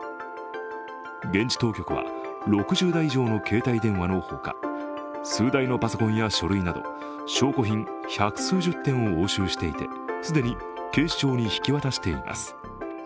現地当局は６０台以上の携帯電話のほか数台のパソコンや書類など証拠品百数十点を押収していて既に警視庁に引き渡しています。